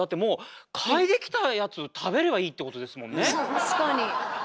確かに。